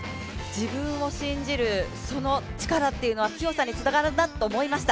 自分を信じる、その力っていうのは強さにつながるなと思いました。